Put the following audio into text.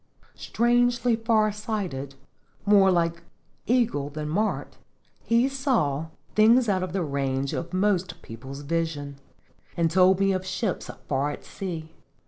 Strangely far sighted, more like eagle than mart, he saw things out of the range of most people's vis ion, and told me of ships far at sea.